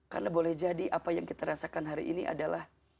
karena boleh jadi apa yang kita rasakan hari ini adalah